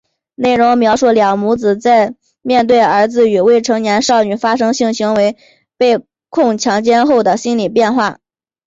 内容描写两母子在面对儿子与未成年少女发生性行为被控强奸后的心理变化。